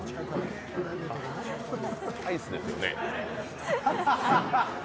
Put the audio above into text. アイスですよね？